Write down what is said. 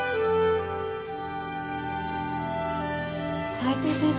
斉藤先生